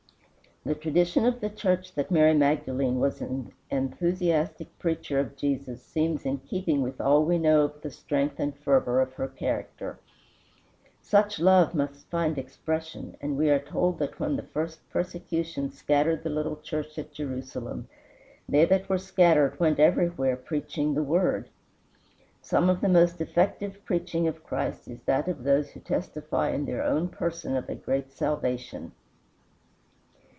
The tradition of the church that Mary Magdalene was an enthusiastic preacher of Jesus seems in keeping with all we know of the strength and fervor of her character. Such love must find expression, and we are told that when the first persecution scattered the little church at Jerusalem, "they that were scattered went everywhere, preaching the word." Some of the most effective preaching of Christ is that of those who testify in their own person of a great salvation.